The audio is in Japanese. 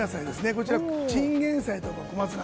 こちら、チンゲン菜と小松菜。